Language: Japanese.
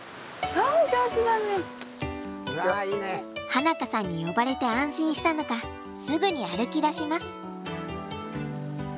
花香さんに呼ばれて安心したのかすぐに歩きだします。